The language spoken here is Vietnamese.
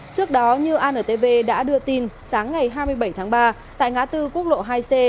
trước đó như antv đã đưa tin sáng ngày hai mươi bảy tháng ba tại ngã tư quốc lộ hai c